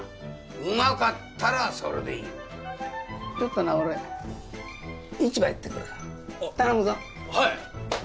うまかったらそれでいいちょっとな俺市場行ってくるから頼むぞはい